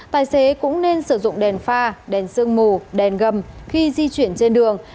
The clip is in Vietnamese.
tài xế cũng nên sử dụng đèn pha đèn sương mù đèn gầm khi di chuyển trên đường